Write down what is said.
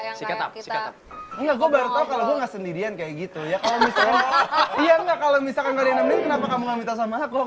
yang kita enggak gua baru tahu kalau gue nggak sendirian kayak gitu ya kalau misalnya kalau misalkan